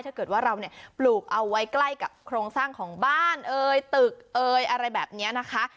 ถ้าเกิดว่าเราเนี่ยปลูกเอาไว้ใกล้กับโครงสร้างของบ้านเอ่ยตึกเอยอะไรแบบนี้นะคะ